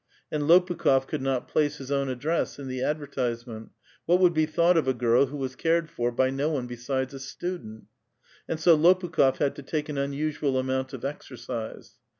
And Lopukh6f could not place his own address in the advertisement : what would be thought of a girl who was cared for by no one besides a student ? And so I^pukh6f had to take an unusual amount of exercise.